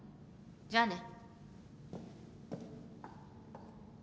じゃあね。